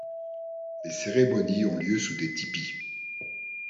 Les cérémonies ont lieu sous des tipis.